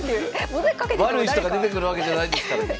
悪い人が出てくるわけじゃないですからね。